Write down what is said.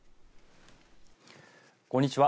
こんにちは。